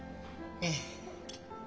ええ。